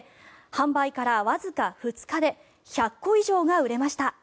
販売からわずか２日で１００個以上が売れました。